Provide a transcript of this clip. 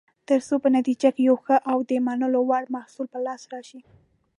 ترڅو په نتیجه کې یو ښه او د منلو وړ محصول په لاس راشي.